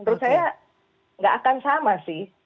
menurut saya nggak akan sama sih